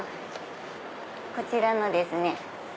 こちらのですね。